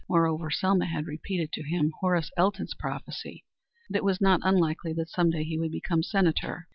Moreover Selma had repeated to him Horace Elton's prophecy that it was not unlikely that some day he would become Senator.